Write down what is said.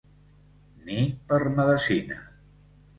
Ni per medecina.